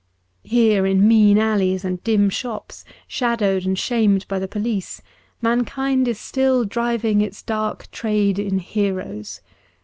Here in mean alleys and dim shops, shadowed and shamed by the police, mankind is still driving its dark trade in heroes.